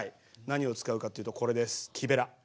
何を使うかというとこれです木べら。